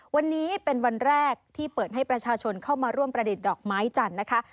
วันนี้เป็นวันแรกที่เปิดให้ประชาชนเข้ามาร่วมประดิษฐ์ดอกไม้จันทร์นะคะ